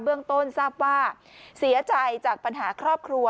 เรื่องต้นทราบว่าเสียใจจากปัญหาครอบครัว